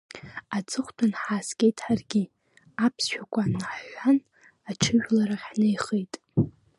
Аҵыхәтәан ҳааскьеит ҳаргьы, аԥсшәақәа наҳҳәан, аҽыжәларахь ҳнеихеит.